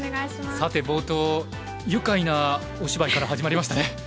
さて冒頭愉快なお芝居から始まりましたね。